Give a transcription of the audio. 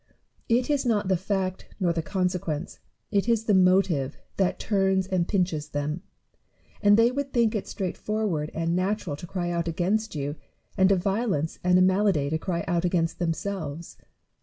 It is not the fact nor the consequence, it is the motive, that turns and pinches them ; and they would think it straightforward and natural to cry out against you, and a violence and a malady to cry out against themselves.